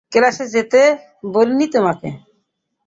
ক্লাসে যেতে বলিনি তোমাকে?